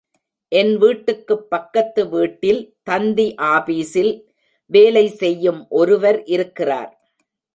என் வீட்டுக்குப் பக்கத்து வீட்டில் தந்தி ஆபீசில் வேலை செய்யும் ஒருவர் இருக்கிறார்.